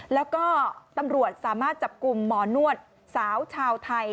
แล้วก็ตำรวจสามารถจับกลุ่มหมอนวดสาวชาวไทย